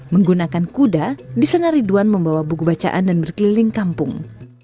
menggunakan kuda di sana ridwan membawa buku bacaan dan berkeliling kampung